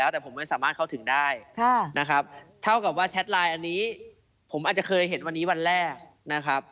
เท่ากับว่าแชทไลน์อันนี้ผมอาจจะเคยเห็นวันนี้วันแรกนะครับ